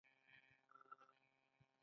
بریالیتوب د چا لخوا دی؟